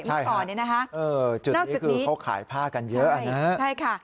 ใช่ค่ะจุดนี้คือเขาขายผ้ากันเยอะนะใช่ค่ะ